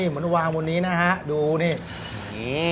หวานมุ่นนี้นะฮะดูนี่